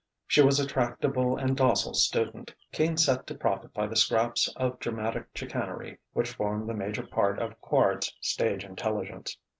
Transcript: She was a tractable and docile student, keen set to profit by the scraps of dramatic chicanery which formed the major part of Quard's stage intelligence.